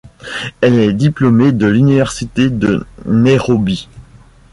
Elle est diplômée de l'Université de Nairobi.